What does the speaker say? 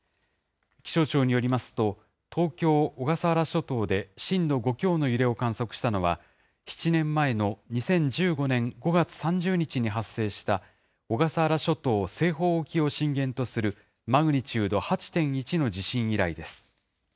気象庁によりますと、東京・小笠原諸島で震度５強の揺れを観測したのは、７年前の２０１５年５月３０日に発生した、小笠原諸島西方沖を震源とする、マグニチュード８．１の地震以来です。